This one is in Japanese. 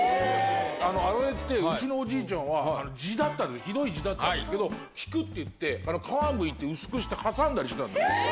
アロエって、うちのおじいちゃんは、痔だったの、ひどい痔だったんですけど、効くって言って、皮むいて薄くして挟んだりしてた。